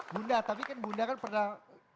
bunda tapi kan bunda kan pernah